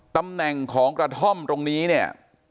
ตำแหน่งของกระท่อมตรงนี้เนี่ย